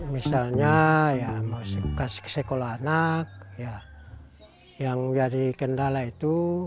misalnya ya mau kasih sekolah anak ya yang jadi kendala itu